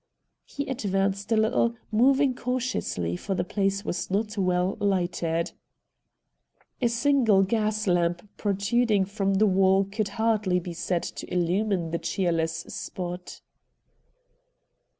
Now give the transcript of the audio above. He advanced a little, moving cautiously, for the place was not well lighted. A single gas lamp protruding from the wall could hardly be said to illumine the cheerless spot.